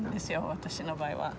私の場合は。